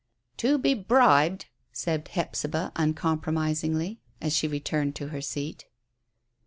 "To be bribed," said Hephzibah uncompromisingly, as she returned to her seat.